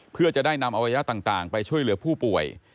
เพื่อจะได้นำอวัยวะต่างไปช่วยเหลือผู้ป่วย